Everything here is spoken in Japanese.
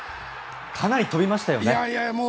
かなり飛びましたよね。